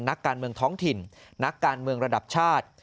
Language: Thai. นักการเมืองท้องถิ่นนักการเมืองระดับชาติ